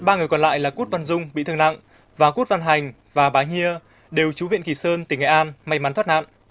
ba người còn lại là cút văn dung bị thương nặng và cút văn hành và bà nghia đều trú huyện kỳ sơn tỉnh nghệ an may mắn thoát nạn